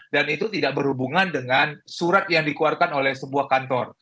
dan itu tidak berhubungan dengan surat yang dikeluarkan oleh sebuah kantor